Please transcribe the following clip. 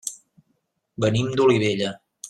Venim d'Olivella.